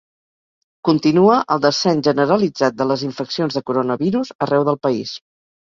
Continua el descens generalitzat de les infeccions de coronavirus arreu del país.